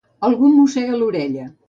Algú em mossega l'orella.